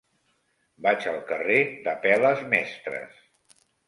Vaig al carrer d'Apel·les Mestres.